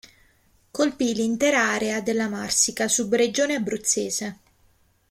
Colpì l'intera area della Marsica, subregione abruzzese.